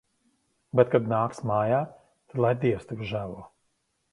Bet kad nāks mājā, tad lai tevi Dievs žēlo.